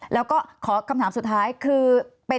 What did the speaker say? แล้วก็ขอคำถามสุดท้ายคือ